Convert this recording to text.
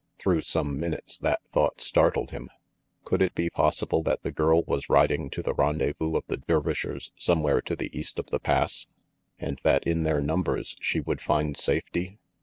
Through some minutes that thought startled him. Could it be possible that the girl was riding to the rendezvous of the Dervishers somewhere to the east of the Pass, and that in their numbers she would find safety?